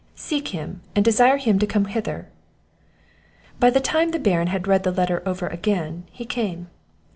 "Seek him, and desire him to come hither." By the time the Baron had read the letter over again, he came.